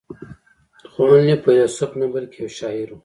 خو هنلي فيلسوف نه بلکې يو شاعر و.